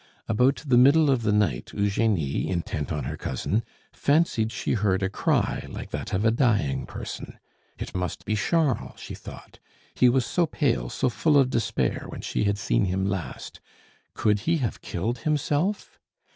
About the middle of the night Eugenie, intent on her cousin, fancied she heard a cry like that of a dying person. It must be Charles, she thought; he was so pale, so full of despair when she had seen him last, could he have killed himself?